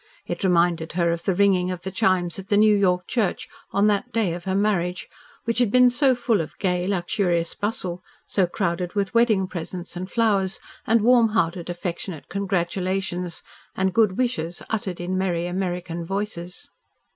It reminded her of the ringing of the chimes at the New York church on that day of her marriage, which had been so full of gay, luxurious bustle, so crowded with wedding presents, and flowers, and warm hearted, affectionate congratulations, and good wishes uttered in merry American voices.